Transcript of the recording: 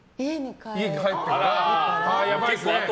家に帰ってから。